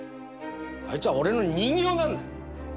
あいつは俺の人形なんだよ！